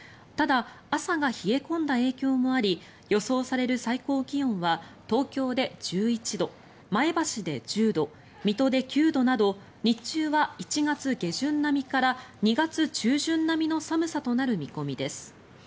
ただ、朝が冷え込んだ影響もあり予想される最高気温は東京で１１度、前橋で１０度水戸で９度など日中は１月下旬並みから２月中旬並みの寒さとなる見込みです。